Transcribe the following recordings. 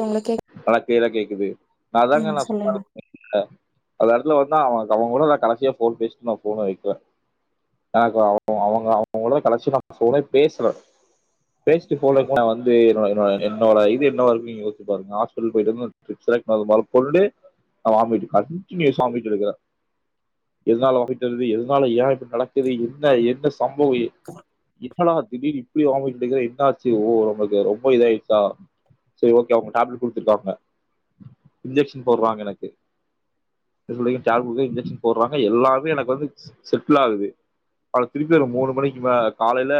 உங்களுக்கே நல்லா க்லோர கேக்குது நான் ம் தாங்க நான் சொல்லுங்க சொன்ன அத இடத்துல வந்து அவங்களடான் கசியா போன் பேசிட்டு நான் போனை வைக்கிறேன் அவ அவங்களட கசிான் போனை பேசுறேன் பேசிட்டு போ வந்து என்னோட இது என்ன [inaudible] ங்கடேப்ட் கொடுத்துக்காங்க இக்ஷன் போடுறாங்க எனக்கு [unintelligible] ஷன் போடுறாங்க எல்லாருேக்கு வந்து செட்டில் ஆகுதுல திருப்பி மூணு மணிக்கு காலையில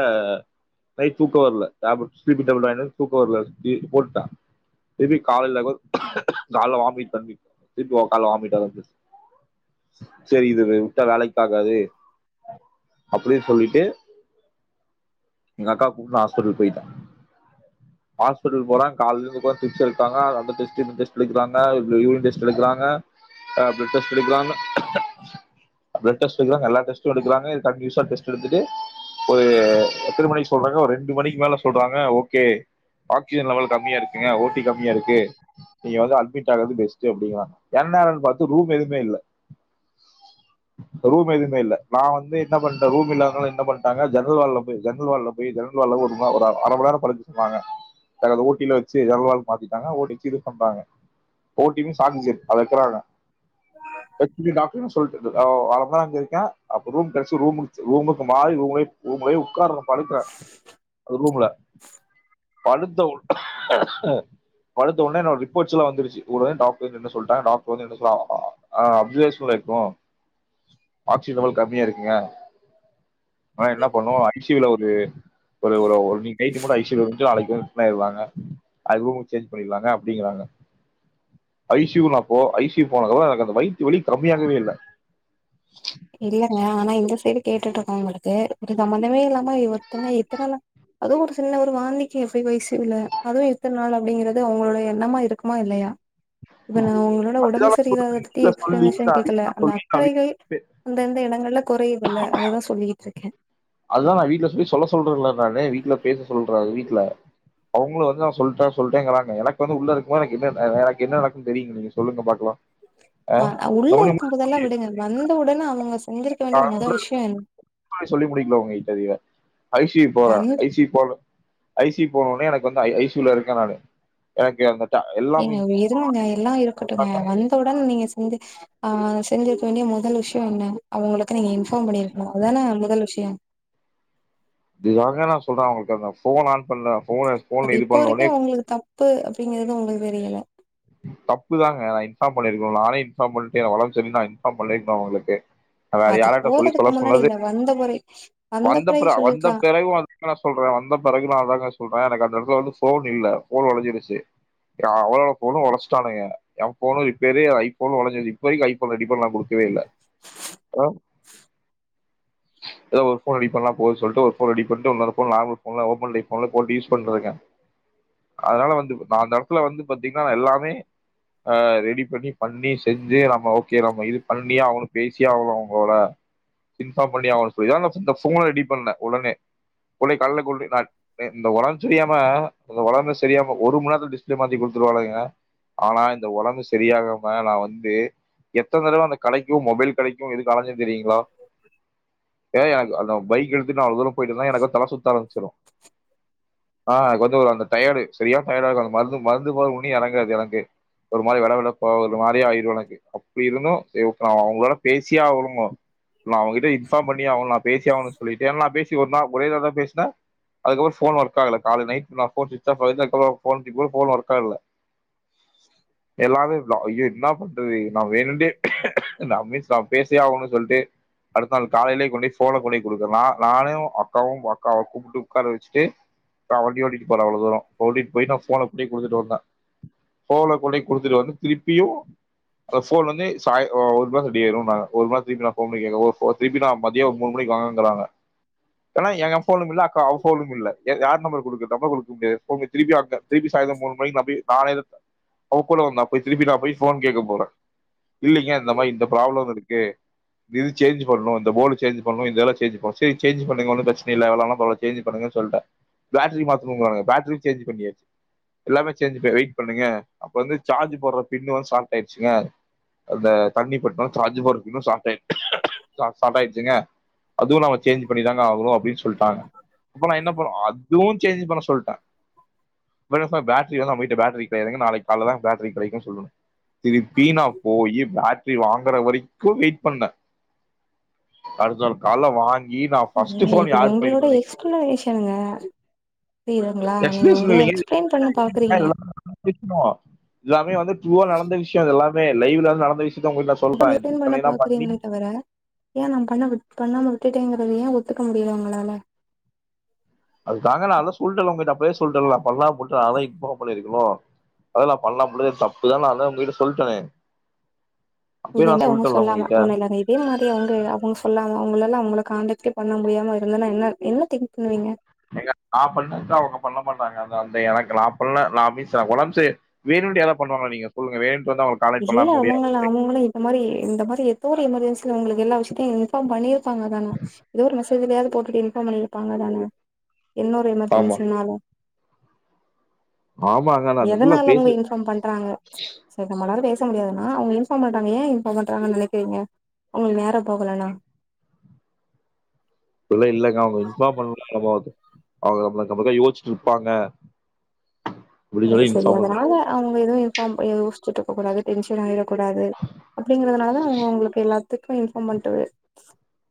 வர போட்டான் திருப்பி கால்ல காலைல வாமிட் பண்ண திருப்பி உ கால வாமிட் சரி இது விட்ட வேலைக்க ஆாகாது அப்படின்னு சொல்லிட்டு எங்க அக்கா கூ ஹாஸ்பிட்டல் போயிட்டோன் ஹாஸ்பிடல் போறா கால்ல கம்மா எங்க ஓட்டி கம்மியா இருக்கு நீங்க வந்து அல் என்ன அது பாத்து ரூம் எதுவும்மே இல்ல நான் வந்து என்ன பண்ணிட்டேன் ரூம் இல்லதனால ஜன்னல் வாடு படுக்க சொல்லுலிட்டாங்க சோரி ஜல்வால் பாத்திட்டாங்க ஓட்டிச்சீடு சொங்க போட்டினு சாச்சிக்க அதை எடுக்ரங்க அரை மணி நோரம் அங்க இருக்கேன் அப்ப ரூம் கடைச்சு ரூம் ரூமுக்கு மாறி ரூம் ரூம்லோ உட்காரனும் படுக்கிறேன் அது ரூம்ல பழுத்த உ படுத்த உனே என்னனேட ரிப்போர்ட்ஸ்ல்லாம் வந்து ருச்ச இரு ஆனசன்லல் கம்மியா இருக்குங்க ஆன என்ன பண்ணம் ஐசில ஒரு மட்டஐசி நாளைக்குாங்க அப சேஞ்ச் பண்ணிடலாங்க அப்படிங்கறாங்க ஐசியூனா போ ஐசியயூ போனக்க எனக்கு அந்த வைத்திய வழலி கம்மையாகவே இல்லை இல்ங்க ஆனா இந்த சைடு கேட்டுட்டு இருக்காங்களுக்கு ஒரு சம்ம்பந்தமே இல்லாம இ ஒருத்தங்க எத்தனைள் அதுவும் ஒரு சின்ன ஒரு வாந்திக்கு எப்படி ஐசியூ இல்ல அதுவும் எத்தனை நாள் அப்படிங்கறிறது அவங்களோட எண்ணமா இருக்குமா இல்லையா இப்ப நான் உங்களோட உடம்பு அதுதான் நான் சொல்றேன். சரியிலதுக்கு வீட்ல சொல்லி எக்ஸ்பிளனேஷன் நான் கேடக்கல வீட்ல அந்த சொல்லி நான் வீட்ல அக்கறைகள் பே- அந்தந்என [inaudible] குறையதல்ல அததான் சொல்லிட்டு இருக்கேன் அதுதான் நான் வீட்டுல போயி சொல்ல சொல்ரோன் நானே வீட்டுல பேச சொல்றாது வீட விட்ல அவங்கழும் வந்து நான் சொல்லிட்ட சொல்லிட்டேங்கிறாங்க எனக்கு வந்து உள்ள இருக்கும் எனக்கு என்ன எனக்கு என்ன நடக்குன்னு தெரியுங்க நீங்க சொல்லுங்க பாக்கலாம் உள்ள இருக்கும் போதெல்லாம் விடுங்க வந்த உடனே அவங்க செஞ்சிருக்க நா வேண்டிய மொத கூட விஷயம் என்ன சொல்லி முடிக்கல உங்க கிட்ட இத ஐசி போறேன் வந்து ஐசி போலும் ஐசி போனும்னே எனக்கு னக்குவந்து ஐசூல இருக்கேன் நானனு எனக்கு அந்த ட- எல்லாமே ஏங்க இருங்க எல்லாம் இருக்கட்டும்ங்க வந்தவுடன் நீங்க சொஞ்சு ஆஹ் செஞ்சு வேண்டிய முதல் விஷயம் என்ன அவங்களுக்கு நீங்க இன்பார்ம் பண்ணிருக்காம் அ அதானான் முதல் விஷயம் இதுதாங்க நான் சொல்றேன் அவங்களுக்கு அந்த போன் ஆன் பண்றன் அது இப்போ வரைக்கும் உங்களுக்கு தப்பு அப்படிங்கறது உங்களுக்கு தெரியல தப்பு தாங்க நான் இன்பாம் பண்ணியிருக்கணும் நானே இன்ஃபார்ம் பண்ணிட்டு என ஓடான்புச்செரிலான நான் இன்ஃபார் பண்ணிருக்கேன் உங்களுக்கு அது போறதுக்கு முன்னாடி இல்ல வந்த முறை வந்த பிறகா வந்த பிறகும் அதங்க நான் சொல்றேன் வந்த பிறகும் அதாங்க சொல்றேன் எனக்கு அந்த இடத்துல வந்து போன் இல்ல போன் உடைஞ்சிடுச்சு எல்லா போனும் உடைச்சிட்டானுங்க ஏன் போனு ரிப்பேர் ஐபோன் உடைஞ்சிடுச்சு இப்ப வரைக்கும் ஐபோன் ரெடி பண்ண பண்ண கொடுக்கவே இல்ல ஹா இத்த ஒரு ஐபோன் ரெடி பண்ணலனா போ சொல்லிட்டு ஒருன் ரெடி பண்ணிட்டு இன்னொரு போன் நார்மல்போன் ஓப்பன் பன்ில் போட்டு யூஸ் பண்றேன் அதனால வந்து அந்த இடத்துல வந்து பா்த்தீங்கன்னா எல்லாமே ரெடி ஹா பண்ணி பண்ணி செஞ்சு நம்ப ஓகே நம்ப பண்ணியே அவனும் பேசி அவனும் அவங்களோட இன்போர்ம் பண்ணியே அவனோ சொல்லி இந்த போன்ல ரெடி பண்ண உடனே உடனே காலல கொண்டு போய் ந இந்த உடம்பு சரியாம அந்த உளர்ம்ப சரியாம ஒரு மணி நேரல டிஸ்பிளே மாத்தி குடுத்துட்டுவாளங்க ஆனா இந்த உடம்பு சரியாகாம நான் வந்து எத்தன தடவ அந்த கடைக்கும் மொபைல் கிடைக்கும் எது அலஞ்சும் தெரியுங்களா ஏ எனக்கு அந்த பைக் எடுத்துட்டு அவ்வளவு தூரம் போயட்டு தான் எனக்கு தலை சுத ஆரம்பிச்சிடும் ஆஹ் கொஞ்சம் அந்த டயர்டு சரியா டயர்டா இருந்த மருந்து மருந்து போது உன்னி இறங்கறாது எனக்கு ஒரு மாரி வெள்ள வெளேப்பா ஒரு மாரியா ஆயிடும் எனக்கு அப்படி இருந்தும் அவங்களோட பேசியா ஆவணம் நான் அவங்ககிட்ட இன்ஃபார்ம் அவங்கள நா பேசியே ஆகணும்னு சொல்லிட்டு ஏனா நா பேசி ஒரு நாள் ஒரே தடவ தா பேசுனா அதுக்கப்பறோ போன் ஒர்க் ஆகல கால்ல நைட் ஃபுல்லா போன் சுவிட்ச் ஆஃப் பண்ணிட்டு அதுக்கப்பறோ போன் தூக்கி போட் போன் வொர்க் ஆகல எல்லாமே பிளாக் அய்யோ என்ன பண்றது நா வேணுட்டே பேசிய ஆகணும்னு சொல்லிட்டு அடுத்த நாள் காலேலே கொண்டி ஃபோன கொண்டி குடுத்தூர்லா நானும் அக்காவும் அக்காவ கூப்ட்டு் உக்கார வச்சுட்டு நா வண்டிஓட்டி போன அவ்ளோ தூரோ ஓட்டிட் போய் நா ஃபோன கொண்டி குடுத்துட்டு வந்த ஃபோன கொண்டி குடுத்துட்டு வந்து திருப்பியு அ ஃபோன் வந்து சாய் ஒ ஒரு மணி நேரத்துல ரெடியாயிருனாங்க ஒரு மணி நேரத்தில் திரும்பி நா போக முடியாது ஃபோன் திருப்பி நா மதியோ மூண் மணிக்கு வாங்கங்கறாங்க ஆனா எ எ ஃபோனும் இல்ல அக்கா அவா ஃபோனும் இல்ல யா யார் நம்பர் குடுக்றது நம்பர் குடுக்க முடியாது ஃபோனையு திருப்பியு அங்க திருப்பி சாய்ந்ரோ மூணு மணிக் நா போய் காலேல தா அவா கூட வந்தா போய் திருப்பி நா போய் ஃபோன் கேக்க போன இல்லீங்க இந்த மாரி இந்த ப்ராப்ளம் இருக்கு இது சேன்ஜீ பண்ணும் அந்த போர்டு சேஞ்ச் பண்ணு இதெல்லா சேஞ்ச் பண்ணு செரி சேன்ஜீ பண்ணுங்க ஒன்னு பிரச்னே இல்ல எவ்ளோ ஆனாலு பரவால்ல சேஞ்ச் பண்ணுங்க சொல்ட பேட்ரி மாத்தணுங்றாங்க பேட்ரி சேஞ்ச் பண்ணியாச்சு எல்லாமே சேஞ்ச் பே வெயிட் பண்ணுங்க அப்ப வந்து சார்ஜ் போடுற பின்னு வந்து ஷார்ப் ஆய்டுச்சுங்க அந்த தண்ணி பட்டும் சார்ஜ் போடுற பின்னும் ஷாக் ஆய் சா சாப்ட் ஆய்டுச்சுங்க அதுவும் நாம சேஞ்ச் பண்ணிதாங்க ஆகணும் அப்டின் சொல்டாங்க அப்ப நா என்ன பண்ண அதுவும் சேஞ்ச் பண்ண சொல்ட [unintelligible] பேட்டரி வந்து நம்மகிட்ட பேட்ரி கடையாதுங்க நாளைக் கால்ல தா பேட்டரி கெடைக்கு சொல்லணு திருப்பி நா போயி பேட் ட்ரி வாங்கற வரைக்கும் வெயிட் பண்ண அடுத்த நாள் கால்ல வாங் ஏங்க இது உங்களோட எக்ஸ்பிளோனேஷனுங்க புரிதுங்ளா நீங்க எக்ஸ்பிளேஷன் உங்ளே இல்லைங்க எக்ஸ்பிளைன் பண்ண பாக்றீங்க இதெல்லாம் நடந்த விஷயம். எல்லாமே வந்து ட்ரூவா நடந்த விஷ்யோ இது எல்லாம் வேல் லைவ்ல வந்து நடந்த விஷ் திட்னவ்ங்க வீட்ல சொல்ட இத் இத்தனைனா பண்ணி ஏ நா பண்ண விப் பண்ணாம விட்டுட்டேங்கறத ஏ ஒத்துக்க முடியல உங்களால அது தாங்க நா அத சொல்டல உங்கட்ட அப்பவே சொல்டல நா பண்ணலாமுன் அதா இப்போ பண்ணிருக்கணு அதெல்லா பண்ணா போது தப்பு தான அதா உங்கட்ட நா சொல்டனே இதே மாரி அவ்ங்க சொல்லாம ஒண்ணு இல்ல இதே மாரி அவ்ங்க அவ்ங்க சொல்லாத அவ்ங்ளெல்லா உங்கள காண்டக்டே பண்ண முடியாம இருந்தானா என்ன என்ன திங்க் பண்ணுவீங்க ஏங்க நா பண்ணத அவ்ங்க பண்ண மாட் எந்த அந்த எனக்கு [unintelligible] வேணுன்டே யாராது பண்ணுவாங்களா நீங்க சொல்லுங்க வேண் இ ஏ அவ்ங்கல்லா அவ்ங்களு இந்த மாரி இந்த மாரி ஏதோ ஒரு எமர்ஜென்சி கு உங்ளுக்கு எல்லா விஷயத்தையும் இன்பார்ம் பண்ணிருப்பாங்க தான ஏதோ ஒரு மெசேஜ்லயது போட்டுட்டு இன்ஃபார்ம் பண்ணிருப்பாங்க தான என்ன ஒரு ஆமா எமர்ஜென்சினாலு ஆமாங்க நா அதுக்குள்ள எதனால அவ்ங்க பேசு இன்ஃபார்ம் பண்றாங்க சரி அவரால பேச முடியாதுனா அவுங்க இன்ஃபார்ம் பண்றாங்க ஏ இன்ஃபார்ம் பண்றாங்கனு நினைக்கிறீங்க உங்க நேரோ போகலனா அப்லாஇலைங்க அவுங்க இன்ஃபார்ம் பண்ணணுமாவுது அவுங்க நம்ம நம்ளுக்கா யோசிச்சுட்டு இருப்பாங்க அப்டின்னு சரி சொல்லி சரி இன்ஃபார்ம் பண்ற அதனால அவுங் போ இதும் இன்ஃபார்ம் பண் யோசிச்சுட்டுக்இருக்க கூடாது டென்சன் ஆயிடக்கூடாது அப்டிங்கறதுனால அவுங்க அவுங்களுக்கு எல்லா இப்ப இன்ஃபார்ம் பண்ட்டவெ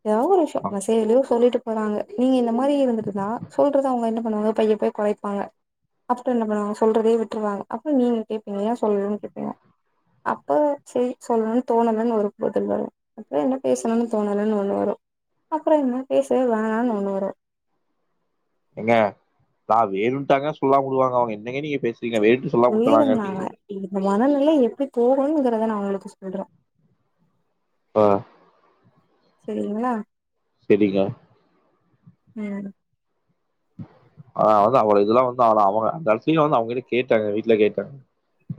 ஏதாவது ஒரு விஷ்யோ மெசஜ்லயோ சொல்லிட்டு நாங்க நீங்க இந்த மாதிரி இருந்துட்டுந்தா சொல்றத அவங்க என்ன பண்ணுவாங்க பைய பைய குறைப்பாங்க ஆஃப்டர் என்ன பணுவாங்க சொல்றதே விட்டுருவாங்க அப்புறோ நீங்க கேப்பீங்க ஏன் சொல்லனும்னு கேப்பீங்க அப்ப சரி சொல்லணும்னு தோணலன்னு ஒரு பதில் வரு அப்புறோ என்ன பேசணும்னு தோணலன்னு ஒண்ணு வரு அப்புறோ என்ன பேசவே வேணாம்னு ஒண்ணு வரு ஏங்க நா வேணும்ட்டாங்க சொல்லாம வுடுவாங்க அவங்க என்னங்க நீங்க பேசு உயிருந்தாங்க இந்த மனநல எப்டி போகணுங்கிறத நா அவங்களுக்கு சொல்றோ பா சரிங்ளா சரிங்க ம் ஆனா வந்து அவள இதெல்லா வந்து அவ அவங்க அந்த இடத்துலயு வந்து அவங்கிட்ட கேட்டாங்க வீட்டுல கேட்டாங்க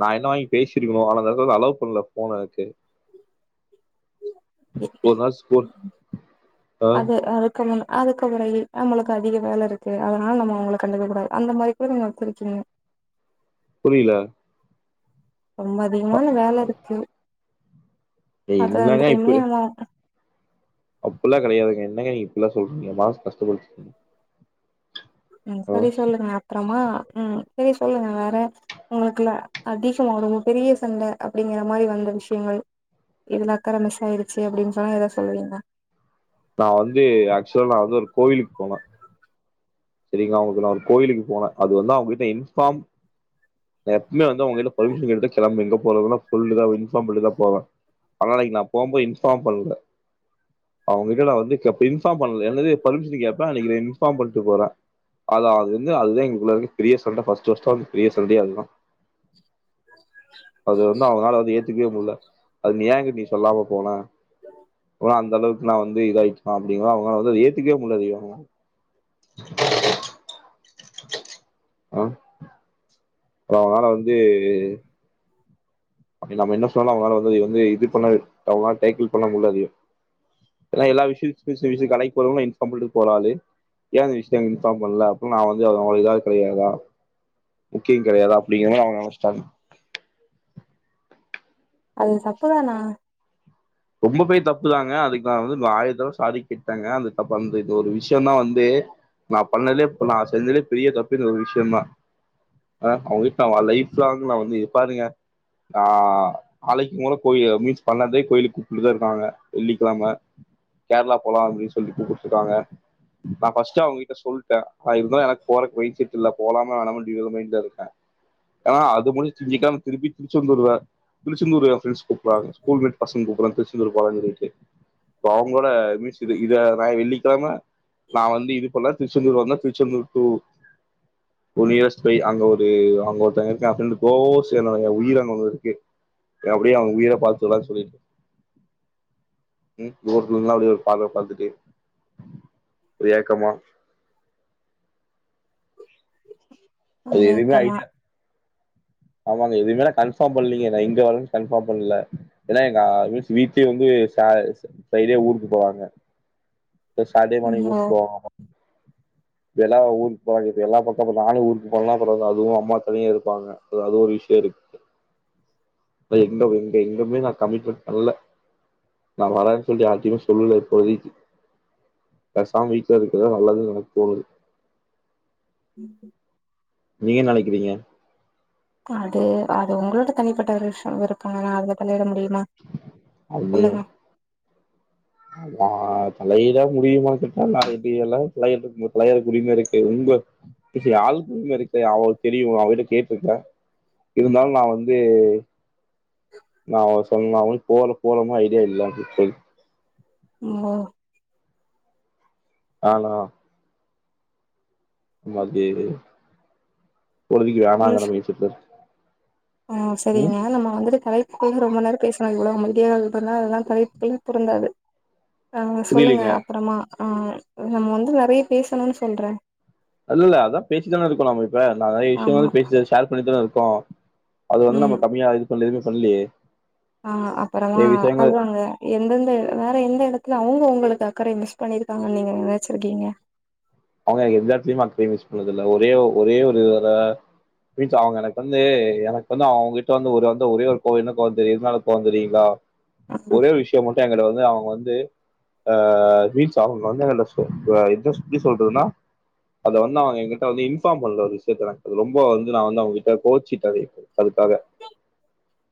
நா என்ன வாங்கி பேசிருக்கணு ஆனா அந்த இடத்துல அளவ் பண்ணல போனதுக்கு ஒரு நாள் ஸ்கூல் அதாது அதுக்கப்புற நம்மளுக்கு அதிக வேல இருக்கு அதனால நம்ம அவங்க கண்டுக்க கூடாது அந்த மாதிரி கூட நீங்க ஒத்தரிக்கீங்க புரில ரொம்ப அதிகமான வேல இருக்கு அது அந்த டைம்லயே [unintelligible] அப்படல்லா கெடையாதுங்க என்னங்க நீங் இப்பில்லா சொல்றீ ங்க மாசு கஷ்டமார்க் ம் சரி சொல்லுங்க அப்புறமா ம் சரி சொல்லுங்க வேற உங்களுக்குல அதிக மோது பெரிய சண்ட அப்படிங்கிற மாரி வந்த விஷயங்கள் இதுல அக்கற மிஸ் ஆயிடுச்சு அப்படின்னு சொன்னா ஏதாவ சொல்லுவீங்ளா நா வந்து ஆச்சுவலா நா வந்து ஒரு கோவிலுக்கு போலா சரிங்கா அவங்ககிட்ட நா ஒரு கோயிலுக்கு போவே அது வந்து அவங்ககிட்ட இன்ஃபார்ம் எப்பமே வந்து அவங்ககிட்ட பர்மிஷன் கேட்டுட் கிளம்ப எங்க போறதுன்பார்ம் பண்ணட்டுதா போவேன் ஆனான்னைக்கு நா போம்போ இன்பார்ம் பண்ல அவங்ககிட்ட நா வந்து இன்ஃபார்ம் பண்ணல அல்லது பர்மிஷன் கேப்ப அன்னைக் இன்ஃபார்ம் பண்ணிட்டு போறே அதா அது வந்து அதுதா எங்கக்குள்ள இருக்கு பெரிய சண்டை ஃபர்ஸ்ட் ஃபர்ஸ்ட் வந்து பெரிய சண்டையே அதுதா அது வந்து அவங்களால அது ஏத்துக்கவே முடில அது நீ ஏ எங்கிட்ட நீ சொல்லாம போன ஆனா அந்த அளவுக்கு நா வந்து இதாயிச்னா அப்படிங்க அவங்களால வந்து ஏத்துக்கவே முடில அது எதுமே ஆ அ அவங்களால வந்து நம்ம என்ன சொன்னால அவங்களால வந்து வந்து இது பண்ண டைட்டன் பண்ண முடில அது எல்லா விஷயத்தையு இன்ஃபாம் பண்ணிட்டு போற ஆளு இந்த விஷயத்தை மட்டு இன்ஃபார்ம் பண்ல நா வந்து அவது கிடையாதா சீன் கெடையாது அப்டிங்கிறாங்க அவங்க நெனச்சுட்டாங்க அது தப்புதானா ரொம்ப பேர் தப்பு தாங்க அதுக்கு வந்து ஆயிரோ தடவ சாரி கேட்டாங்க அந்த தப்பு அந்த இது ஒரு விஷ்யந்தா வந்து நா பண்ணதலியே நா செஞ்சதுலியே பெரிய தப்பு இந்த ஒரு விஷ்யந்தா அவங்க கிட்ட வந்து லைப் லாங்ல வந்து பாருங்க ஆ ஆளைக்குங் கூட கோயில் மீன்ஸ் பண்ணதே கோயிலுக் கூட் இருக்காங்க வெள்ளிக்கெழம கேரளா போலா அப்டின் சொல்லிட்டு கூப்டுருக்காங்க நா ஃபர்ஸ்ட்டே அவங்க கிட்ட சொல்ட இருந்தாலு எனக்கு போறக்கு மைண்ட் செட் இல்ல போலாமா வேணாமான் டபுள் மைண்ட்ல இருக்க ஏன்னா அத் இது முடுஞ்சு வெள்ளிக்கெழம திருந்பி திருச்செந்தூர் வேற திருச்செந்தூர் எ ஃப்ரெண்ட்ஸ் கூப்புறாங்க ஸ்கூல் மேட் பசங்க கூப்புறாங் அவங்களுக்கு அவங்களோட மிஸ்டு இது நா வெள்ளிக்கெழம நா வந்து இது பண்ணா திருச்செந்தூர் வந்தா திருச்செந்தூர் டூர் நியர்ஸ்பை அங்க ஒரு அவங்க ஒருத்தவங்க இருக்கா ஃப்ரெண்ட்டு [unintelligible] உயிரே எனக்கு அப்டியே அவங்க உயிரே பாத்து சொல்லா சொல்லிட்டு ம் [unintelligible] அப்டியே பாக்குறத பாத்துட்டு ஒரு ஏக்கமா அது எதுவுமே ஏக்கமா ஐடியா ஆமாங்க இனி மேல கன்ஃபார்ம் பண்லீங்க இங்க வரன் கன்ஃபார்ம் பண்ல ஏன்னா எங்க வீட்டு வீட்டு வந்து சே ஃப்ரைடே ஊருக்கு போவாங்க சாட்டே மார்னிங் ஓ ஊருக்கு போவாங்க வெலா ஊருக்கு போவாங்க எல்லா பக்கமு நானே ஊருக் இதெல்லா போறது அதுவும அம்மா தனியே இருப்பாங்க அது ஒரு விஷ்யோ இருக்கு எங்க எங்க எங்குமே நா கமிட்மெண்ட் இல்ல நா வரன் அதியு சொல்லிட்டு பேசாம வீட்ல இருக்குறதே நல்லதுன் எனக் தோணுது ம் நீங்க என்ன நெனைக்கிறீங்க அது அது உங்களோட தனிப்பட்ட ஒரு விஷ்யோ இருக்காங்க நா அதுல தலையிட முடி மா சொல்லுங்க அதா தலையிட முடியுமான் கேட்டா எல்லா தலையி தலையறை உரிமை இருக்கு உங்க வீட்ல அவளுக்கு தெரியு அவகிட்ட கேட்டுருக்க இருந்தாலு நா வந்து நா ஒன்னு சொல்லாமா போற போறமா ஐடியா இல்ல அது சொல் அம்மா ஆனா மத்தி இரு பொறுதிக்கு ப்ளீஸ் வேணாங்குறது [unintelligible] ஆ சரிங்க நம்ம வந்துட்டு கலைக்குள்ள ரொம்ப நேரோ பேஸ் எவ்வளவு மத்திய இருந்ததுக்கு அப்புறமா அதெல்லா தலைப்புகளு பொருந்தாது அ சொல்லுங்க புரியலீங்க அப்புறமா ஆ நம்ம வந்து நெறைய பேசணுன் சொல்ற இல்ல அதா பேசித்தான இருக்கோ நாம இப்ப நெறைய ஆமா விஷ்யோங்கள் பேசி ஷேர் பண்ணிதான இருக் போ அது வந்து ம் நம்ம கம்மியா இது சொல்ல எதுமே பண்லியே ஆ அப்புறமா அதாங்க எந்தந்த வேற எந்த எடத்துல து அவங்க உங்களுக்கு அக்கறை மிஸ் பண்ணிருக்காங்கன் நீங்க நெனச்சிருக்கீங்களா அவுங்க எல்லாதுலயுமெ [unintelligible] யூஸ் பண்ணதில்ல ஒரே ஒ ஒரே ஒரு இதுல மீன்ஸ் அவுங்க எனக்கு வந்து எனக்கு வந்து அவுங்ககிட்ட வந்து ஒரு வந்து ஒரே ஒரு கோவ என்ன கோவ தெரியு எதுனால கோவொ தெரியுங்ளா ஆ ஒரே விஷ்யம் மட்டு எங்கிட்ட வந்து அவுங்க வந்து ஆ மீன்ஸ் அவுங்க வந்து எங்கள்ட்ட சொ [unintelligible] சொல்றதுனா அத வந்து அவுங்க எங்கள்ட வந்து இன்ஃபார்ம் பண்ணல ஒரு விஷ்யத்த ரொம்ப வந்து நா வந்து அவுங்கிட்ட கோச்சிட்டே அதுக்காக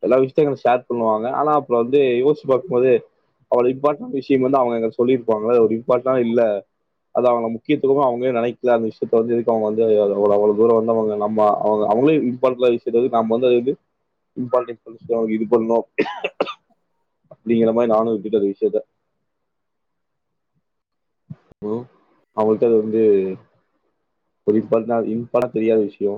எல்லா விஷ்யத்தையு எங்கள்ட ஷேர் பண்ணுவாங்க ஆனா அப்றொ வந்து யோசுச்சுப்பாக்கும் போது அவ்ள இம்பார்ட்டன் விஷ்யமாந்தா அவுங்க எங்கள்ட சொல்லிருப்பாங்கல இது ஒரு இம்பான்ட்டா இல்ல அதா அவுங்க நம முக்கியத்துவமா அவுங்களே நெனைக்கல அந்த விஷ்யத்த வந்து எதுக்கு அவுங்க வந்து அவ்ள அவ்ள தூர வந்து அவுங்க நம்ம அவுங்க அவுங்களே இம் பால்ட்லா விஷ்யத்த வந்து நம் வந்து அது வந்து இம்பாட்டன்ஸ் [unintelligible] இது பண்ணு அப்டிங்கிற மாரி நானு விட்டுட்டெ‌ அந்த விஷ்யத்த ப்ரோ அவுங்கள்ட அது வந்து ஒரு இம்பாட்டனா இம்பாட்டா தெரியாத விஷ்யொ